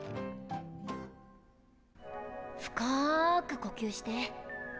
深く呼吸して。